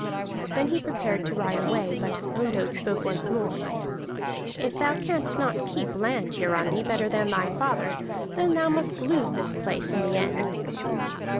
Then he prepared to ride away, but Ondott spoke once more. "If thou canst not keep land, Hiarandi, better than thy father, then must thou lose this place in the end."